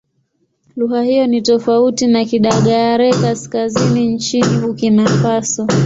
Lugha hiyo ni tofauti na Kidagaare-Kaskazini nchini Burkina Faso.